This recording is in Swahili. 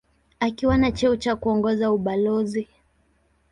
Akiwa na cheo cha kuongoza ubalozi.